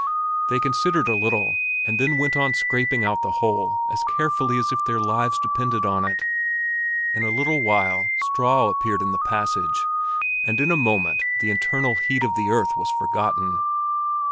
They considered a little, and then went on scraping out the hole as carefully as if their lives depended on it. In a little while straw appeared in the passage, and in a moment the internal heat of the earth was forgotten.